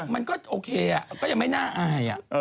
มันก็โอเคอ่ะก็ยังไม่น่าอายอ่ะ